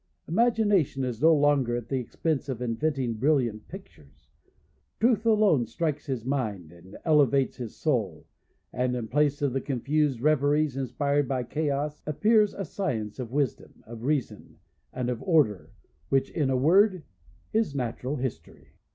Imagination is no longer at the expense of inventing brilliant pictures ; truth alone strikes his mind and elevates his soul, and, in place of the confused reveries in spired by chacs, appears a science of wisdom, of reason, and of oider, which, in a word, is Natural History.